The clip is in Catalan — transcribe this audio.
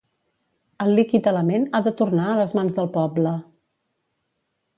el líquid element ha de tornar a les mans del poble